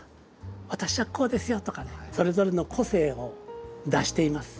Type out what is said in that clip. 私はこうですよとかねそれぞれの個性を出しています。